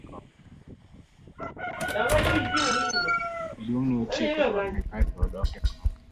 Jaduong'no ne otieko twakne kae to odok e kom.